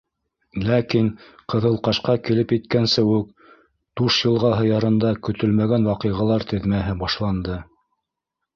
Ләкин Ҡыҙылҡашҡа килеп еткәнсе үк, Туш йылғаһы ярында, көтөлмәгән ваҡиғалар теҙмәһе башланды.